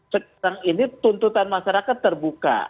sekarang ini tuntutan masyarakat terbuka